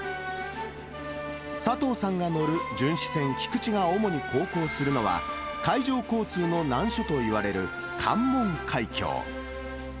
佐藤さんが乗る巡視船きくちが主に航行するのは、海上交通の難所といわれる関門海峡。